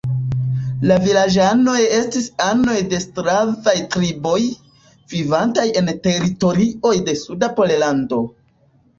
La vilaĝanoj estis anoj de slavaj triboj, vivantaj en teritorioj de suda Pollando.